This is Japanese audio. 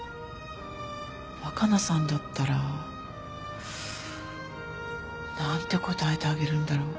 若菜さんだったら何て答えてあげるんだろう。